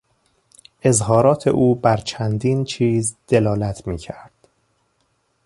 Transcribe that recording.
اظهارات او بر چندین چیز دلالت میکرد.